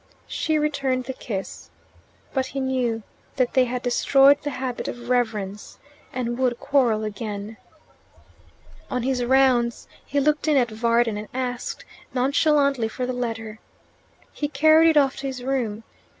She returned the kiss. But he knew that they had destroyed the habit of reverence, and would quarrel again. On his rounds he looked in at Varden and asked nonchalantly for the letter. He carried it off to his room.